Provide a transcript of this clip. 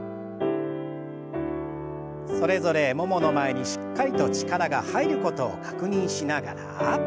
それぞれももの前にしっかりと力が入ることを確認しながら。